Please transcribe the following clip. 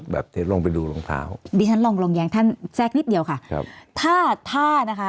แบบเทรดลงไปดูรองเท้าดิฉันลองลงแยงท่านแซกนิดเดียวค่ะครับ